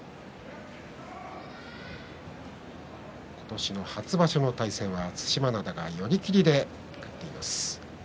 今年の初場所の対戦は對馬洋が寄り切りで勝っています。